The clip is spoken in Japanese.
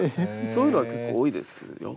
そういうのは結構多いですよ。